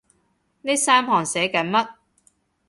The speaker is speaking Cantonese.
呢三行寫緊乜？